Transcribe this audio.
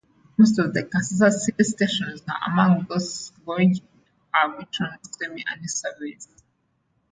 Most of Kansas City's stations are among those gauged in Aribtron's semi-annual surveys.